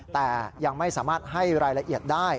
แต่ยังไม่สามารถให้รายละเอียดได้